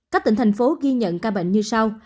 các tỉnh thành phố ghi nhận ca bệnh như sau